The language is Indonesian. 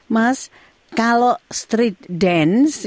mas kalau street dance